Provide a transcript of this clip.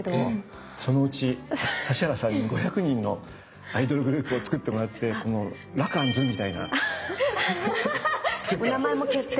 そのうち指原さんに５００人のアイドルグループをつくってもらってもう名前も決定で。